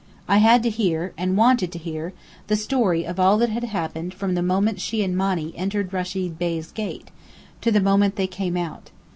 I had to hear and wanted to hear the story of all that had happened from the moment she and Monny entered Rechid Bey's gate, to the moment they came out.